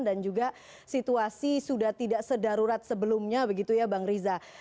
dan juga situasi sudah tidak sedarurat sebelumnya begitu ya bang riza